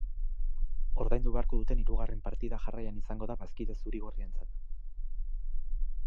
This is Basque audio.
Ordaindu beharko duten hirugarren partida jarraian izango da bazkide zuri-gorrientzat.